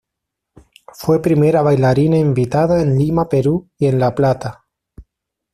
Fue Primera bailarina invitada en Lima-Perú y en La Plata.